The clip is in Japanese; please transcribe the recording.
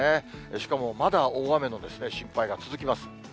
しかもまだ大雨の心配が続きます。